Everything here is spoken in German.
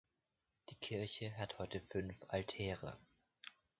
Die Kirche hat heute fünf Altäre.